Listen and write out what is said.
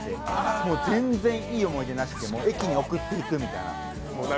もう全然いい思い出なくて駅に送っていくみたいな。